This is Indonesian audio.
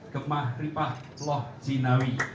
gemah ripah lo jinawi